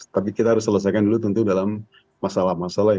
tapi kita harus selesaikan dulu tentu dalam masalah masalah